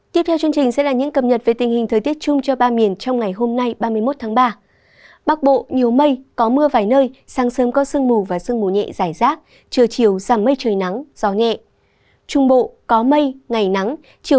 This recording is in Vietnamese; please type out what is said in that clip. tiếp theo là những cập nhật về tình hình thời tiết chung cho ba miền trong ngày hôm nay ba mươi một tháng ba